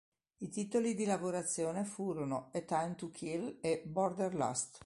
I titoli di lavorazione furono "A Time to Kill" e "Border Lust".